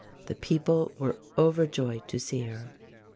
The people were overjoyed to see her.